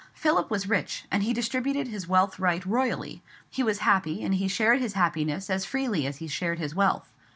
Philip was rich, and he distributed his wealth right royally: he was happy, and he shared his happiness as freely as he shared his wealth.